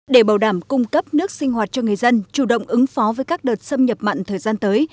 để bảo đảm cung cấp nước sinh hoạt cho người dân chủ động ứng phó với các đợt xâm nhập mặn thời gian tới